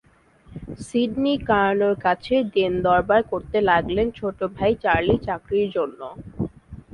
Sydney কার্নোর কাছে দেনদরবার করতে লাগলেন ছোট ভাই চার্লির চাকরির জন্য।